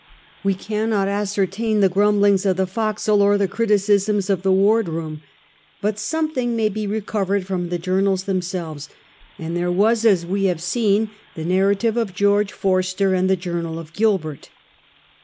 We cannot ascertain the grumblings of the forecastle, or the criticisms of the waitl rooiii, but something may be recovered from the journals themselves ; and there was, as we have seen, the narra tive of George Forster and the journal of Gilbert.